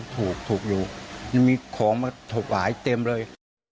ถูกอยู่มีของถูกหวายเต็มเลย